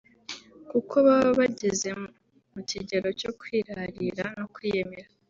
kuko baba bageze mu kigero cyo kwirarira no kwiyemera